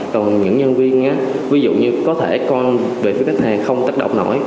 còn những nhân viên ví dụ như có thể coi về phía khách hàng không tác động nổi